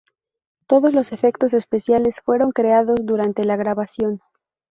Todos los efectos especiales fueron creados durante la grabación.